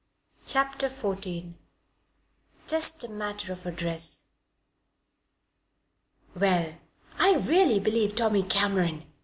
CHAPTER XIV JUST A MATTER OF A DRESS "Well, I really believe, Tommy Cameron!"